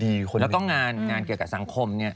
แล้วก็งานเกี่ยวกับสังคมเนี่ย